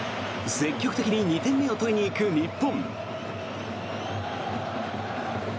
積極的に２点目を取りに行く日本。